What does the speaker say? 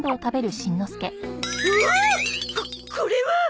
ここれは！